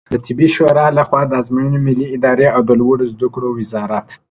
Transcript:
د طبي شورا له خوا د آزموینو ملي ادارې او لوړو زده کړو وزارت